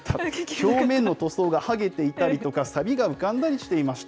表面の塗装が剥げていたりとか、サビが浮かんだりしていました。